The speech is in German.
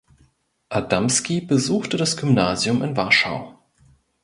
Adamski besuchte das Gymnasium in Warschau.